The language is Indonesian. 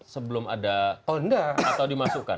sebelum ada atau dimasukkan